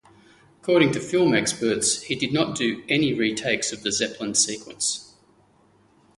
According to film experts, he did not do any retakes of the Zeppelin sequence.